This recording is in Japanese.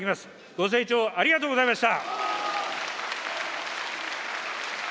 ご清聴ありがとうございました。